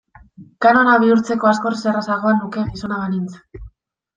Kanona bihurtzeko askoz errazagoa nuke gizona banintz.